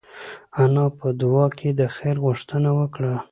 انا په دعا کې د خیر غوښتنه وکړه.